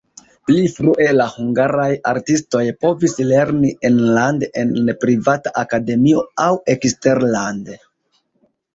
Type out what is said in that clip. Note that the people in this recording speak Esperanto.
Pli frue la hungaraj artistoj povis lerni enlande en privata akademio aŭ eksterlande.